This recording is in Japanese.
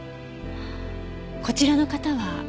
こちらの方は？